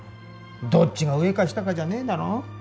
どっちが上か下かじゃねえだろう？